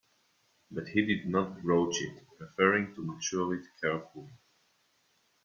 But he did not broach it, preferring to mature it carefully.